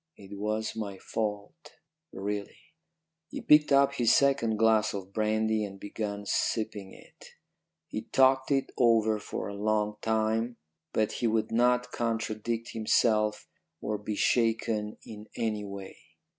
It was my fault, really." He picked up his second glass of brandy and began sipping it. He talked it over for a long time, but he would not contradict himself or be shaken in any way.